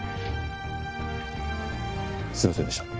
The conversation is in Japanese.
すいませんでした。